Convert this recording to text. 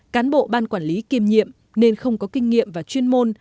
cán bộ ban quản lý kiêm nhiệm nên không có kinh nghiệm và chuyên môn